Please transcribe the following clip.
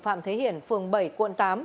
phạm thế hiển phường bảy quận tám